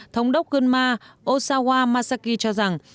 thống đốc gương ma osawa masaki cho rằng